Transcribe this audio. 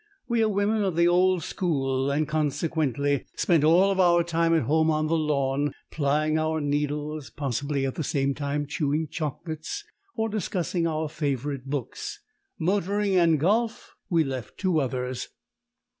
We are women of the old school, and consequently spent all our time at home on the lawn, plying our needles, possibly at the same time chewing chocolates or discussing our favourite books; motoring and golf we left to others.